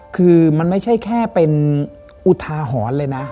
คือมันไม่ใช่แค่เป็นอุทาหรณ์เลยนะ